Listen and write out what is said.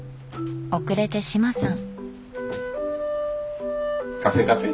遅れて志麻さん。